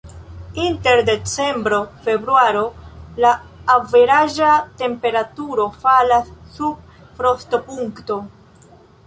Inter decembro-februaro la averaĝa temperaturo falas sub frostopunkto.